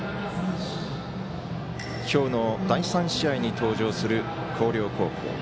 きょうの第３試合に登場する広陵高校。